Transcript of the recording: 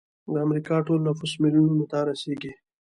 د امریکا ټول نفوس میلیونونو ته رسیږي.